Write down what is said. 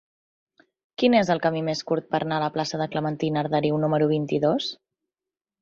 Quin és el camí més curt per anar a la plaça de Clementina Arderiu número vint-i-dos?